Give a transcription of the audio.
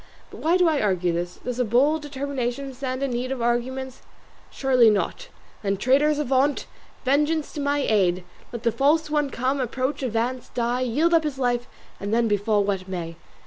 But why do I argue thus? Does a bold determination stand in need of arguments? Surely not. Then traitors avaunt! Vengeance to my aid! Let the false one come, approach, advance, die, yield up his life, and then befall what may.